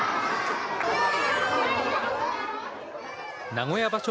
名古屋場所